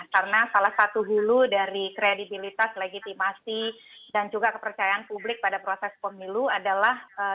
karena salah satu hulu dari kredibilitas legitimasi dan juga kepercayaan publik pada proses pemilu adalah terbentuknya